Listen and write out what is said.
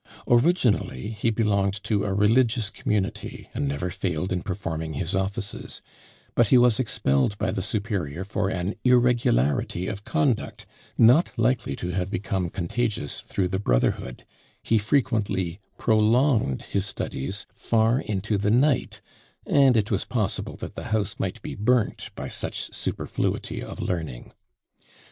Originally he belonged to a religious community, and never failed in performing his offices: but he was expelled by the superior for an irregularity of conduct not likely to have become contagious through the brotherhood he frequently prolonged his studies far into the night, and it was possible that the house might be burnt by such superfluity of learning.